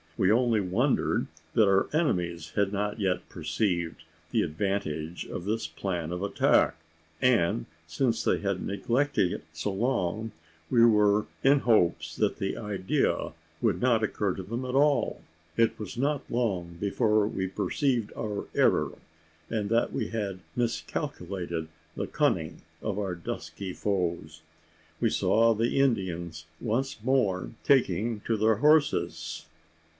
We only wondered that our enemies had not yet perceived the advantage of this plan of attack; and, since they had neglected it so long, we were in hopes that the idea would not occur to them at all. It was not long before we perceived our error; and that we had miscalculated the cunning of our dusky foes. We saw the Indians once more taking to their horses.